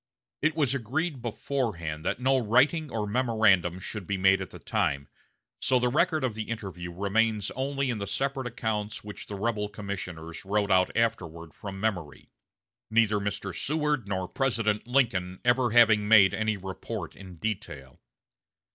It was agreed beforehand that no writing or memorandum should be made at the time, so the record of the interview remains only in the separate accounts which the rebel commissioners wrote out afterward from memory, neither Mr. Seward nor President Lincoln ever having made any report in detail.